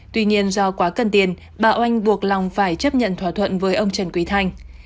tuy nhiên do quá cần tiền bà oanh buộc lòng phải chấp nhận thỏa thuận với ông trần quý thanh